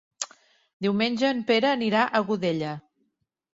Diumenge en Pere anirà a Godella.